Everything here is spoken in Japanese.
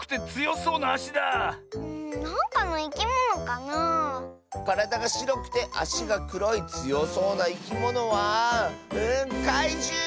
からだがしろくてあしがくろいつよそうないきものはかいじゅう！